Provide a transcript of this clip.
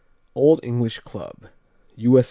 Old English Club _U.S.